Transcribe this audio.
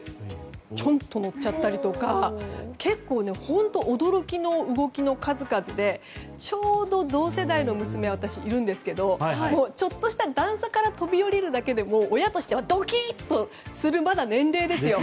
ぴょんと乗っちゃったりとか結構、驚きの動きの数々でちょうど同世代の娘が私、いるんですけどちょっとした段差から飛び降りるだけでも親としてはドキッとする年齢ですよ。